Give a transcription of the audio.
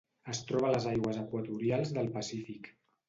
Es troba a les aigües equatorials del Pacífic.